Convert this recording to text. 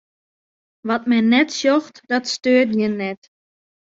Wat men net sjocht, dat steurt jin net.